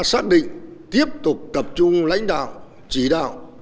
xác định tiếp tục tập trung lãnh đạo chỉ đạo